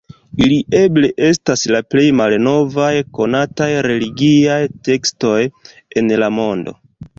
Ili eble estas la plej malnovaj konataj religiaj tekstoj en la mondo.